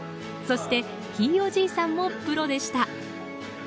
そして、ひいおじいさんもプロでした。